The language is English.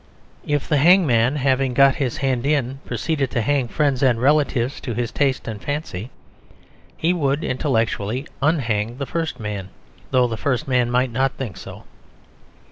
If the hangman, having got his hand in, proceeded to hang friends and relatives to his taste and fancy, he would (intellectually) unhang the first man, though the first man might not think so.